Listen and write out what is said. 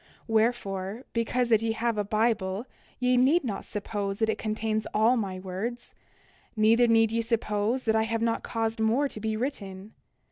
29:10 Wherefore, because that ye have a Bible ye need not suppose that it contains all my words; neither need ye suppose that I have not caused more to be written.